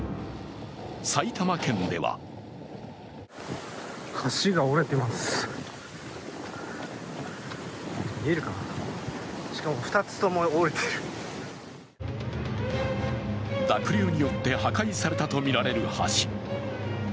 埼玉県では濁流によって破壊されたとみられる橋。